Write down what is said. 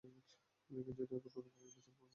কিন্তু, এটাতো বর্তমান ফ্যাশনের বিচারে পুরনো, তাই না?